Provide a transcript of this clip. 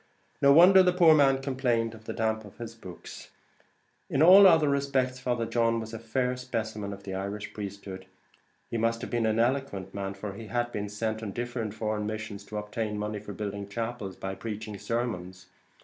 No wonder the poor man complained the damp got to his books. In all other respects Father John was a fair specimen of the Irish priesthood. He must have been an eloquent man, for he had been sent on different foreign missions to obtain money for building chapels by preaching sermons.